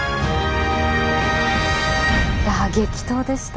いやぁ激闘でしたね。